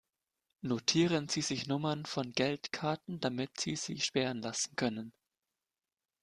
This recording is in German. Notieren Sie sich Nummern von Geldkarten, damit sie sie sperren lassen können.